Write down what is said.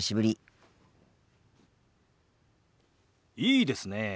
いいですねえ。